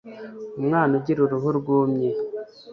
umwana ugira uruhu rwumye